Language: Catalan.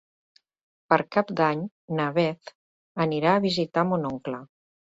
Per Cap d'Any na Beth anirà a visitar mon oncle.